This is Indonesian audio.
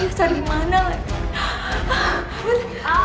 dia cari mana kak